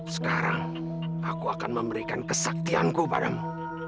sekarang aku akan memberikan kesaktianku padamu